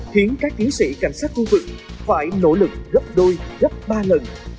khiến các chiến sĩ cảnh sát khu vực phải nỗ lực gấp đôi gấp ba lần